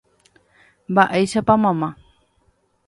Mba'éichapa mamá